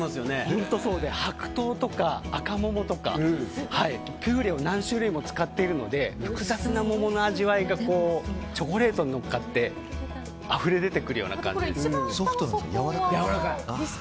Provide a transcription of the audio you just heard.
本当にそうで白桃とか、赤桃とかピューレを何種類も使っているので複雑な桃の味わいがチョコレートに乗っかってあふれ出てくるような感じで。